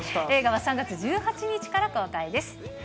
映画は３月１８日から公開です。